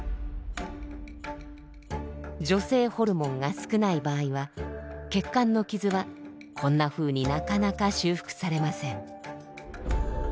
女性ホルモンが少ない場合は血管の傷はこんなふうになかなか修復されません。